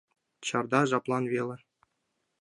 Черда жаплан веле.